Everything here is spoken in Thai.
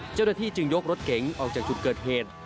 เจ้าหน้าที่จึงยกรถเก๋งออกจากจุดเกิดเหตุ